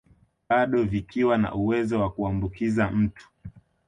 Bado vikiwa na uwezo wa kuambukiza mtu